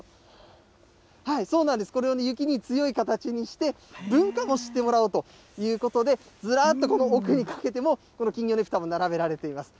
そうなんです、これを雪に強い形にして、文化も知ってもらおうということで、ずらーっとこの奥にかけても、この金魚ねぷたも並べられています。